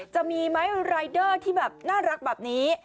จะมีไหมรายเดอร์ที่แบบน่ารักแบบนี้